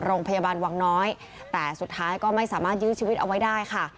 โรงพยาบาลวังน้อยแต่สุดท้ายก็ไม่สามารถยื้อชีวิตเอาไว้ได้ค่ะ